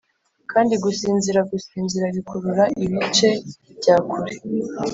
kandi gusinzira gusinzira bikurura ibice bya kure: